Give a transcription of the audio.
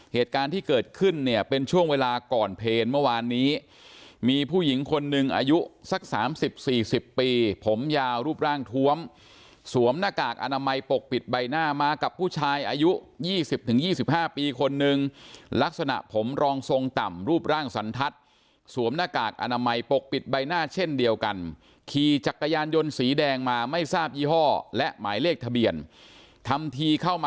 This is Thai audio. เหตุการณ์ที่เกิดขึ้นเนี่ยเป็นช่วงเวลาก่อนเพลงเมื่อวานนี้มีผู้หญิงคนหนึ่งอายุสักสามสิบสี่สิบปีผมยาวรูปร่างท้วมสวมหน้ากากอนามัยปกปิดใบหน้ามากับผู้ชายอายุยี่สิบถึงยี่สิบห้าปีคนหนึ่งลักษณะผมรองทรงต่ำรูปร่างสันทัศน์สวมหน้ากากอนามัยปกปิดใบหน้าเช่นเดียวกันขี่จักรยานยนต์สี